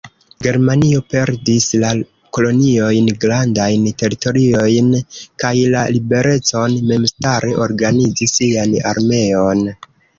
Germanio perdis la koloniojn, grandajn teritoriojn kaj la liberecon memstare organizi sian armeon.